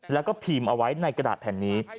แล้วก็พิมพ์เอาไว้ในกระดาษแผ่นนี้